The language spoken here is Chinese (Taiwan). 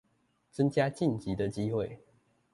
增加晉級的機會